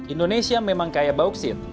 indonesia memang kaya bauksit